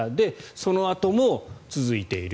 そのあとも続いている。